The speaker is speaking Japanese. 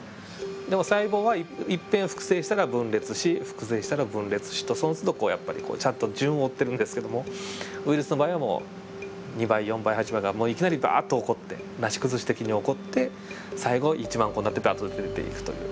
でも細胞はいっぺん複製したら分裂し複製したら分裂しとそのつどこうちゃんと順を追ってるんですけどもウイルスの場合はもう２倍４倍８倍がいきなりバッと起こってなし崩し的に起こって最後１万個になってダッと出ていくという。